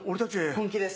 本気です。